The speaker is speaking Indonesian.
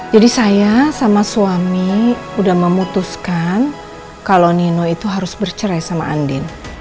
jadi saya sama suami udah memutuskan kalau nino itu harus bercerai sama andin